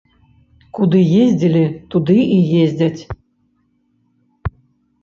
Куды ездзілі, туды і ездзяць.